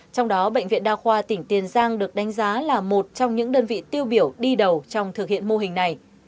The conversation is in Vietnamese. trong đó bệnh viện đa khoa tỉnh tiền giang được đánh giá là một trong những đơn vị tiêu biểu đi đầu trong thực hiện mô hình này